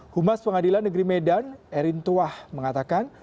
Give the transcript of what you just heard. humas pengadilan negeri medan erin tuah mengatakan